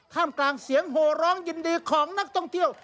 กลางเสียงโหร้องยินดีของนักท่องเที่ยว